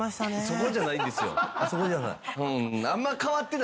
そこじゃない？